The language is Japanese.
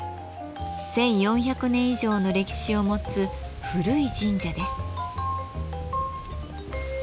１，４００年以上の歴史を持つ古い神社です。